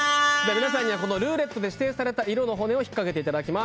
皆さんにはルーレットで指定された色の骨を引っ掛けていただきます。